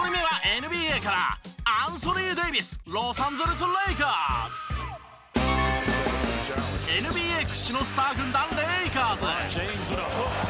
ＮＢＡ屈指のスター軍団レイカーズ。